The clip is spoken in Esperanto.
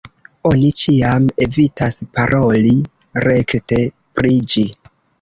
Oni ĉiam evitas paroli rekte pri ĝi.